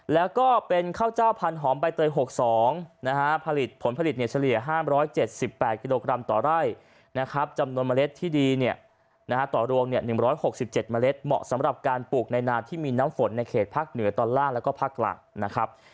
แล้วก็เป็นข้าวเจ้าพันหอมใบเตย๖๒นะฮะผลผลิตเนี่ยเฉลี่ย๕๗๘กิโลกรัมต่อไร่นะครับจำนวนเมล็ดที่ดีเนี่ยนะฮะต่อรวม๑๖๗เมล็ดเหมาะสำหรับการปลูกในนาที่มีน้ำฝนในเขตภาคเหนือตอนล่างแล้วก็ภาคหลักนะครับ